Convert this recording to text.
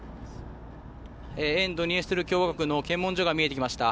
沿ドニエストル共和国の検問所が見えてきました。